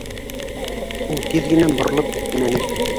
Ул тиҙ генә боролоп китмәне.